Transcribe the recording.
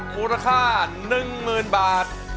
มูลค่า๑๐๐๐บาท